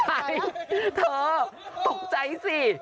เธอตกใจสิ